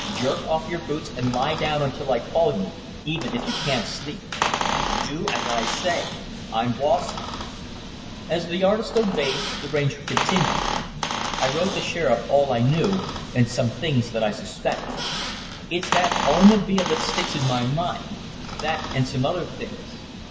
Jerk off your boots and lie down until I call you, even if you can't sleep. Do as I say I'm boss here." As the artist obeyed, the Ranger continued, "I wrote the Sheriff all I knew and some things that I suspect. It's that automobile that sticks in my mind that and some other things.